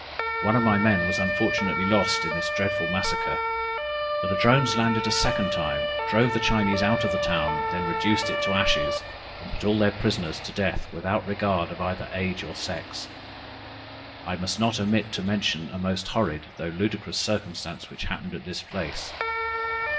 One of my men was unfortunately lost in this dreadful massacre! The Ladrones landed a second time, drove the Chinese out of the town, then reduced it to ashes, and put all their prisoners to death, without regarding either age or sex! I must not omit to mention a most horrid (though ludicrous) circumstance which happened at this place.